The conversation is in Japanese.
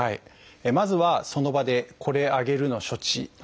まずはその場で「これあげる」の処置。